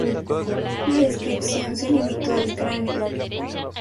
La descripción se limitó al cráneo.